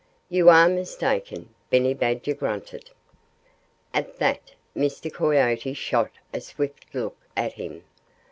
"You are mistaken," Benny Badger grunted. At that Mr. Coyote shot a swift look at him.